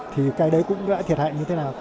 thì cái đấy cũng đã thiệt hại như thế nào